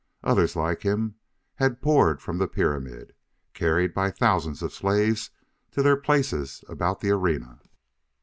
Others like him had poured from the pyramid, carried by thousands of slaves to their places about the arena.